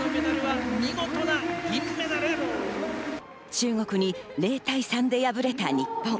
中国に０対３で敗れた日本。